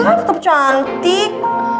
engga tetep cantik